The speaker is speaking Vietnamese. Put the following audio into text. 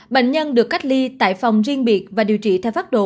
bệnh nhân được cách ly tại phòng riêng biệt và điều trị theo pháp đồ